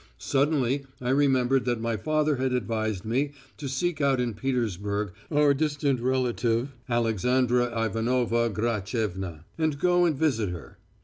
Suddenly I remembered that my father had advised me to seek out in Petersburg our distant relative, Alexandra Ivanovna Gratcheva, and go and visit her.